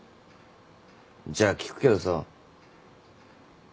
じゃあ聞くけどさ。